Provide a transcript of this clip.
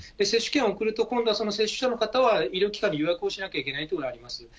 接種券を送ると今度はその接種者の方は医療機関に予約をしなきゃいけないというのがあります。